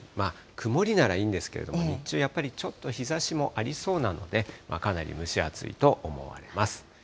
曇りならいいんですけど、日中、やっぱりちょっと日ざしもありそうなんで、かなり蒸し暑いと思われます。